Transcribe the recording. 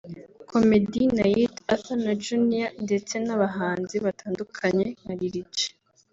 Komedi Nayit (Arthur na Junior) ndetse n’abahanzi batandukanye nka Lil G